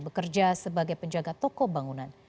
bekerja sebagai penjaga toko bangunan